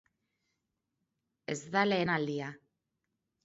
Ez da lehen aldia.